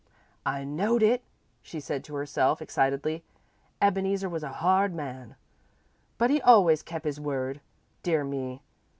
"I knowed it," she said to herself, excitedly. "Ebeneezer was a hard man, but he always kep' his word. Dear me!